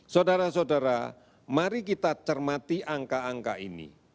saudara saudara mari kita cermati angka angka ini